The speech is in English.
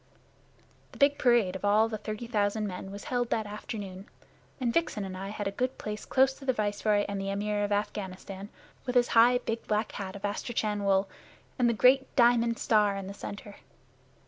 The big parade of all the thirty thousand men was held that afternoon, and Vixen and I had a good place close to the Viceroy and the Amir of Afghanistan, with high, big black hat of astrakhan wool and the great diamond star in the center.